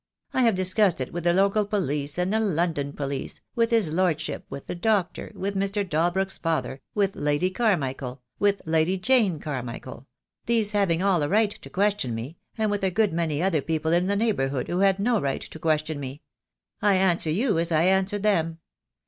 "I have discussed it with the local police and the London police, with his Lordship, with the doctor, with Mr. Dalbrook's father, with Lady Carmichael, with Lady Jane Carmichael, these having all a right to question me — and with a good many other people in the neighbourhood who had no right to question me. I answer you as I answered them.